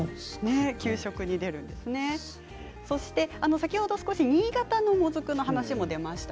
先ほど少し新潟のもずくの話も出ました。